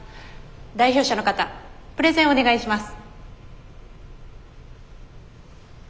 代表者の方プレゼンをお願いします。